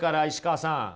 石川さん。